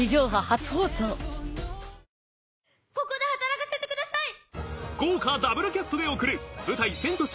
ここで働かせてください！